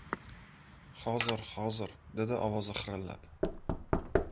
Hozir, hozir, - dedi ovozi xirillab.